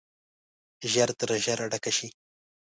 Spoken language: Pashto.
ژر تر ژره ډکه شي.